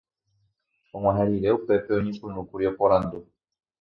Og̃uahẽ rire upépe oñepyrũkuri oporandu